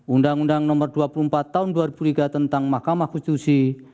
undang undang nomor dua puluh empat tahun dua ribu tiga tentang mahkamah konstitusi